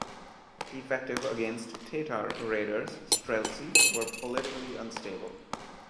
Effective against Tatar raiders, Streltsy were politically unstable.